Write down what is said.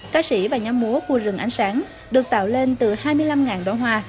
cá sĩ và nhóm múa cua rừng ánh sáng được tạo lên từ hai mươi năm đón hoa